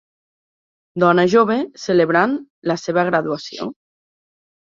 Dona jove celebrant la seva graduació.